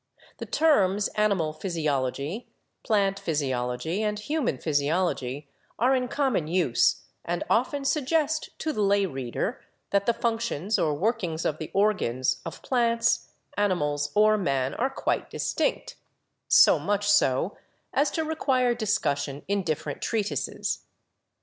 The terms animal physi ology, plant physiology and human physiology are in com mon use and often suggest to the lay reader that the func tions or workings of the organs of plants, animals or man are quite distinct, so much so as to require discussion in different treatises.